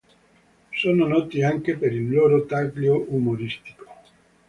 Sono noti anche per il loro taglio umoristico.